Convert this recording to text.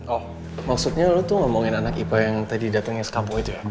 oh maksudnya lu tuh ngomongin anak ipa yang tadi datengnya sekampung aja ya